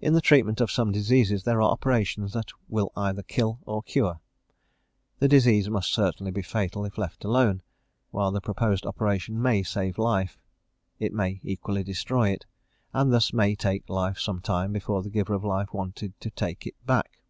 In the treatment of some diseases there are operations that will either kill or cure: the disease must certainly be fatal if left alone; while the proposed operation may save life, it may equally destroy it, and thus may take life some time before the giver of life wanted to take it back.